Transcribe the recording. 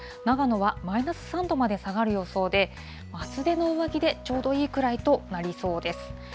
長野はマイナス３度まで下がる予想で、厚手の上着でちょうどいいくらいとなりそうです。